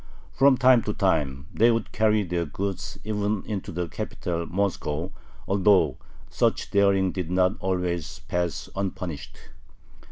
From time to time they would carry their goods even into the capital, Moscow, although such daring did not always pass unpunished.